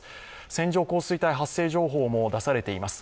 線状降水帯発生情報も出されています。